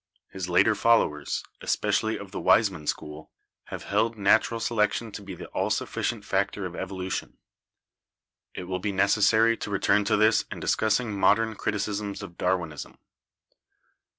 His later follow ers, especially of the Weismann school, have held natural selection to be the all sufficient factor of evolution. It will be necessary to return to this in discussing modern criticisms of Darwinism.